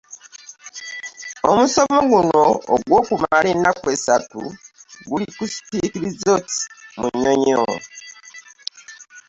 Omusomo guno ogw'okumala ennaku essatu guli ku Speke Resort Munyonyo.